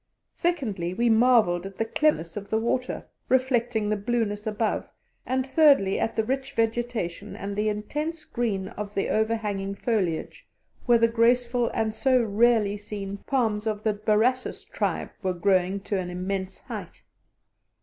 Secondly, we marvelled at the clearness of the water, reflecting the blueness above; and, thirdly, at the rich vegetation and the intense green of the overhanging foliage, where the graceful and so rarely seen palms of the Borassus tribe were growing to an immense height.